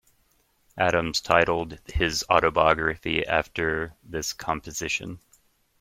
Adams titled his autobiography after this composition.